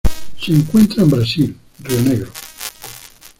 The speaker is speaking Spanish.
Se encuentra en Brasil: río Negro.